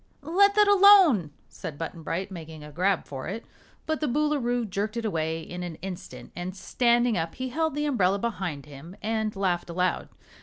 "Let that alone!" said Button Bright, making a grab for it. But the Boolooroo jerked it away in an instant and standing up he held the umbrella behind him and laughed aloud.